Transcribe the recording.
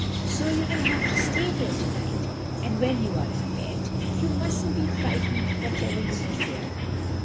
So you will have to stay here to night; and when you are in bed you mustn't be frightened whatever you may hear.